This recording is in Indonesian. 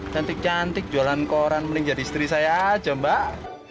cantik cantik jualan koran meling jadi istri saya aja mbak